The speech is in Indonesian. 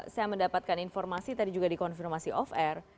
saya mendapatkan informasi tadi juga di konfirmasi off air